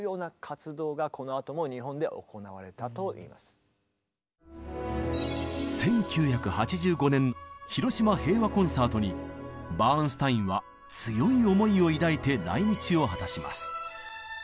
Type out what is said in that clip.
そんなご縁もあって１９８５年広島平和コンサートにバーンスタインは強い思いを抱いて来日を果たします。